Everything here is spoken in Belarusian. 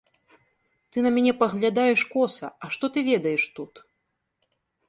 Ты на мяне паглядаеш коса, а што ты ведаеш тут?